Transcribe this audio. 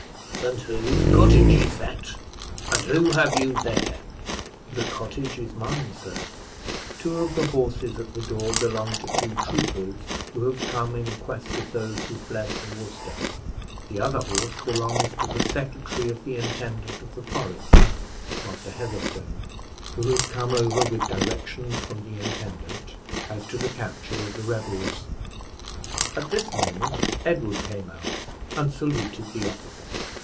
"And whose cottage is that? and who have you there?" "The cottage is mine, sir; two of the horses at the door belong to two troopers who have come in quest of those who fled from Worcester, the other horse belongs to the secretary of the intendant of the forest, Master Heatherstone, who has come over with directions from the intendant as to the capture of the rebels." At this moment, Edward came out and saluted the officer.